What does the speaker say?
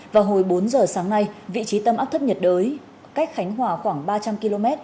vào hồi bốn giờ sáng nay vị trí tâm áp thấp nhiệt đới cách khánh hòa khoảng ba trăm linh km